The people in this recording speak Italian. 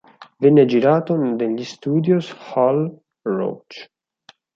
Venne girato negli studios Hal Roach.